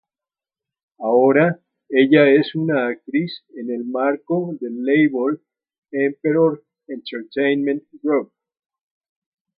Ahora ella es una actriz en el marco del label Emperor Entertainment Group.